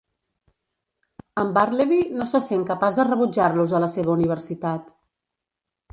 En Bartleby no se sent capaç de rebutjar-los a la seva universitat.